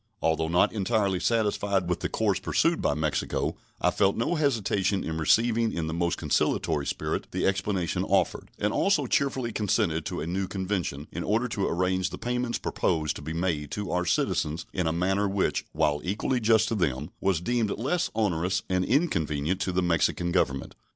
Although not entirely satisfied with the course pursued by Mexico, I felt no hesitation in receiving in the most conciliatory spirit the explanation offered, and also cheerfully consented to a new convention, in order to arrange the payments proposed to be made to our citizens in a manner which, while equally just to them, was deemed less onerous and inconvenient to the Mexican Government.